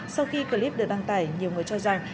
sau khi clip được đăng tải nhiều người cho rằng